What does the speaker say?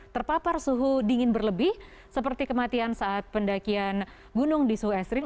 terpapar suhu dingin berlebih seperti kematian saat pendakian gunung di suhu esring